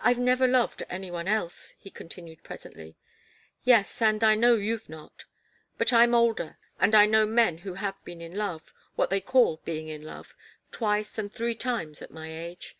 "I've never loved any one else," he continued presently. "Yes and I know you've not. But I'm older, and I know men who have been in love what they call being in love twice and three times at my age.